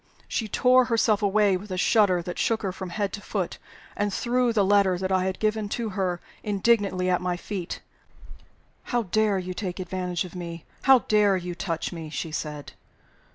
She tore herself away with a shudder that shook her from head to foot, and threw the letter that I had given to her indignantly at my feet. "How dare you take advantage of me! How dare you touch me!" she said.